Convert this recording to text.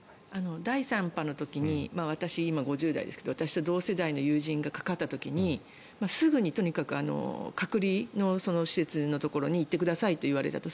第３波の時に私、今５０代ですが私と同世代の友人がかかった時にすぐにとにかく隔離の施設のところに行ってくださいと言われたと。